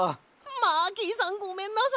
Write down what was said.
マーキーさんごめんなさい！